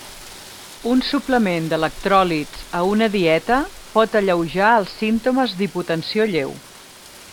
Un suplement d'electròlits a una dieta pot alleujar els símptomes d'hipotensió lleu.